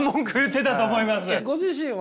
ご自身は。